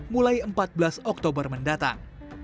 mulai empat belas oktober mendatang